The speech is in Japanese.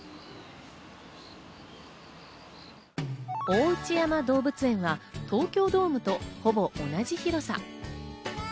大内山動物園は東京ドームとほぼ同じ広さ。